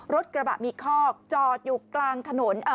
รถกระบะมีคอกจอดอยู่กลางถนน